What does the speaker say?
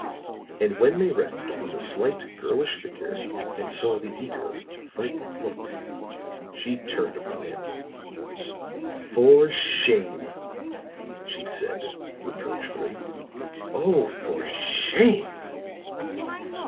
And when they rested upon the slight, girlish figure and saw the eager, frightened look, she turned upon him. "For shame," she said, reproachfully. "Oh, for shame!"